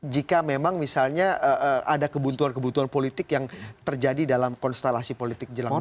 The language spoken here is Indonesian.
jika memang misalnya ada kebutuhan kebutuhan politik yang terjadi dalam konstelasi politik jelang tahun dua ribu sembilan belas